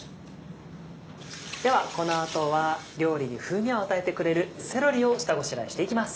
ではこの後は料理に風味を与えてくれるセロリを下ごしらえしていきます。